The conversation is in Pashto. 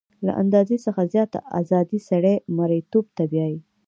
له اندازې څخه زیاته ازادي سړی مرییتوب ته بیايي.